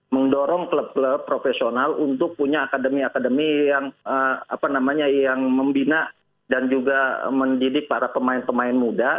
mendorong klub klub profesional untuk punya akademi akademi yang membina dan juga mendidik para pemain pemain muda